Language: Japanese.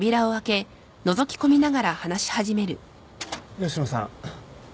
吉野さん